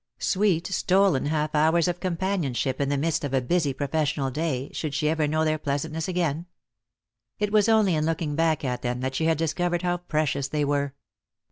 Sweet stolen half hours of companionship in the midst of the busy professional day, should she ever know their pleasantness again ? It was only in looking baek at them that she had discovered how precious they were.